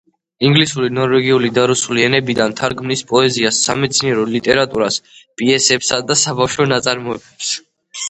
ინგლისური, ნორვეგიული და რუსული ენებიდან თარგმნის პოეზიას, სამეცნიერო ლიტერატურას, პიესებსა და საბავშვო ნაწარმოებებს.